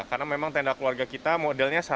karena memang tenda keluarga kita modelnya satu